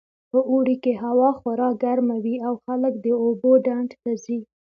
په اوړي کې هوا خورا ګرمه وي او خلک د اوبو ډنډ ته ځي